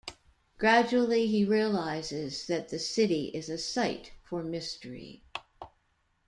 Gradually, he realizes that the city is a site for mystery.